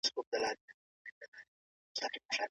د استادانو لارښووني د محصلانو په بريا کي څه ونډه لري؟